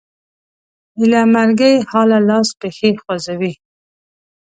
ایله مرګي حاله لاس پښې خوځوي